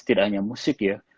tidak hanya musik ya